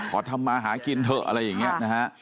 ขอทำอาหารกินเถอะอะไรอย่างเนี่ย